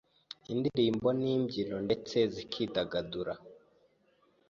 indirimbo n’ibyino ndetse zikidagadura.